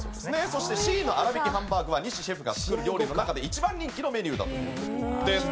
そしてＣの粗挽きハンバーグは西シェフが作る料理の中で一番人気のメニューだという事です。